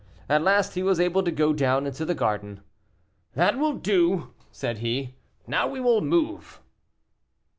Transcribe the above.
At last he was able to go down into the garden. "That will do," said he; "now we will move."